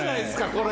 これ。